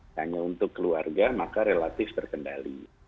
hanya untuk keluarga maka relatif terkendali